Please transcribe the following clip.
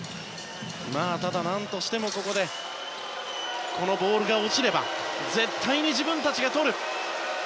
ただ何としてもここで、このボールが落ちれば絶対に自分たちがとる。